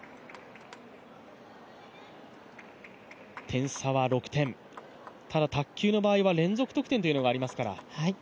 点差は６点、ただ卓球の場合は連続得点というのがありますから。